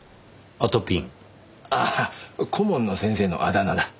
ああ顧問の先生のあだ名だ。